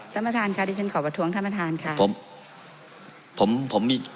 ท่านประธานค่ะที่ฉันขอประท้วงท่านประธานค่ะ